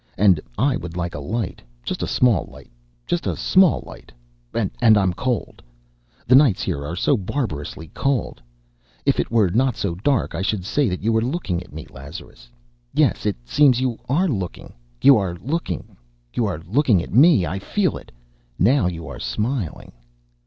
And I would like a light... just a small light... just a small light. And I am cold. The nights here are so barbarously cold... If it were not so dark, I should say you were looking at me, Lazarus. Yes, it seems, you are looking. You are looking. You are looking at me!... I feel it now you are smiling."